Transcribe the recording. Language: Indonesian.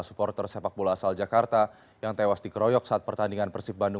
supporter sepak bola asal jakarta yang tewas dikeroyok saat pertandingan persib bandung